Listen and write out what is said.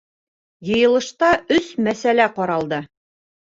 Йыйылышта өс мәсьәлә ҡаралды.